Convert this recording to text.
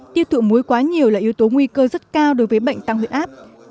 tiêu thụ muối quá nhiều là yếu tố nguy cơ rất cao đối với bệnh tăng huyết áp